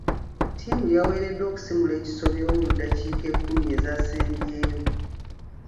Ttiimu y'awereddwa okusimula ekisobyo mu ddakiika ekkumi ezaasembyeyo.